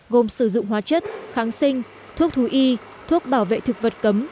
gồm sử dụng hóa chất kháng sinh thuốc thú y thuốc bảo vệ thực vật cấm